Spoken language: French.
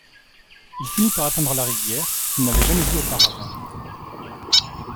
Il finit par atteindre la rivière, qu'il n'avait jamais vue auparavant.